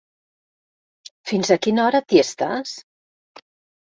Fins a quina hora t'hi estàs?